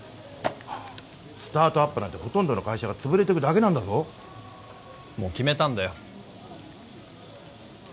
スタートアップなんてほとんどの会社が潰れてくだけなんだぞもう決めたんだよ